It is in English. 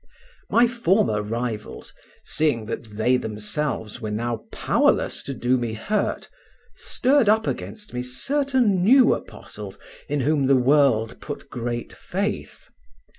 My former rivals, seeing that they themselves were now powerless to do me hurt, stirred up against me certain new apostles in whom the world put great faith.